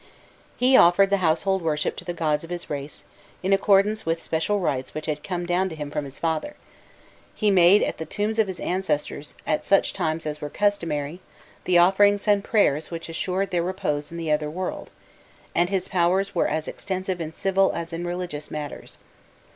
He offered the household worship to the gods of his race, in accordance with special rites which had come down to him from his father; he made at the tombs of his ancestors, at such times as were customary, the offerings and prayers which assured their repose in the other world, and his powers were as extensive in civil as in religious matters.